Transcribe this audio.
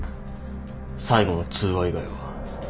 最後の通話以外は。